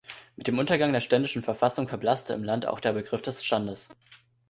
Mit dem Untergang der ständischen Verfassung verblasste im Land auch der Begriff des Standes.